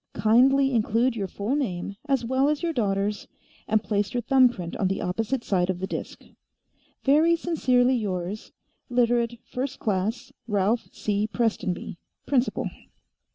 Kindly include your full name, as well as your daughter's, and place your thumbprint on the opposite side of the disk. Very sincerely yours, Literate First Class Ralph C. Prestonby, Principal."